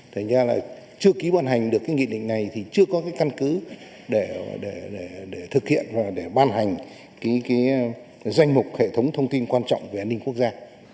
thành ra là chưa ký ban hành được cái nghị định này thì chưa có cái căn cứ để thực hiện và để ban hành cái danh mục hệ thống thông tin quan trọng về an ninh quốc gia